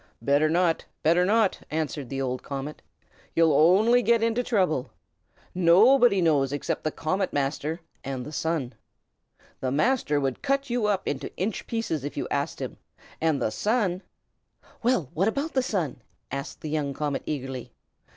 "Better not! better not!" answered the old comet. "You'll only get into trouble. Nobody knows except the Comet Master and the Sun. The Master would cut you up into inch pieces if you asked him, and the Sun " "Well, what about the Sun?" asked the young comet, eagerly.